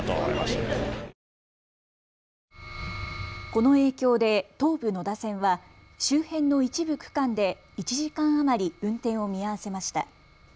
この影響で東武野田線は周辺の一部区間で１時間余り運転を見合わせました。